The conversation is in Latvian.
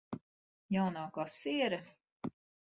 Jaunā kasiere.